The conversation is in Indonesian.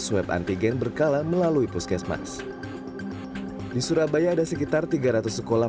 swab antigen berkala melalui puskesmas di surabaya ada sekitar tiga ratus sekolah